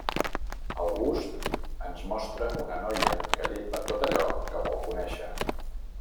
El gust ens mostra una noia que llepa tot allò que vol conèixer.